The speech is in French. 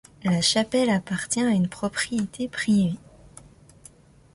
La chapelle appartient à une propriété privée.